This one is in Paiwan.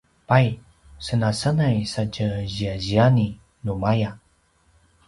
pai senasenai satje ziyaziyani numaya